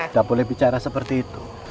tidak boleh bicara seperti itu